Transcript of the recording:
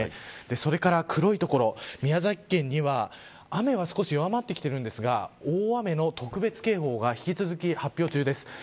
それから黒い所、宮崎県には雨は少し弱まってきているんですが大雨の特別警報が引き続き、発表中です。